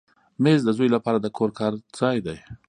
مېز د زوی لپاره د کور کار ځای دی.